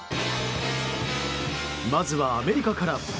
まずはアメリカから。